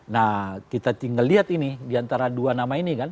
nah kita tinggal lihat ini diantara dua nama ini kan